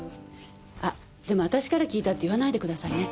あっでも私から聞いたって言わないでくださいね。